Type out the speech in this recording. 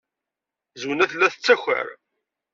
Zwina tella tettaker.